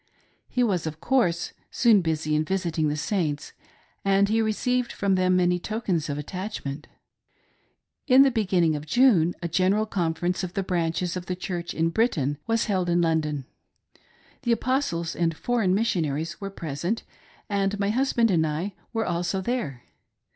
He was, of course, soon busy in visiting the Saints, and he received from them many tokens of attachment. In the beginning of June a General Conference of the branches of the Church in Britain was held in London. The Apostles and foreign Missionaries were present, and my hus band and I were also there.